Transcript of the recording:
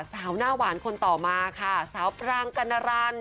สาวหน้าหวานคนต่อมาค่ะสาวพรางกัณรัน